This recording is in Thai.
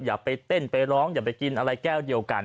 อย่าไปเต้นไปร้องอย่าไปกินอะไรแก้วเดียวกัน